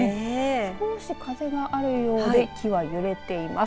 少し風があるようで木は揺れています。